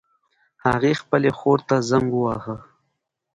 هغې خپلې خور ته زنګ وواهه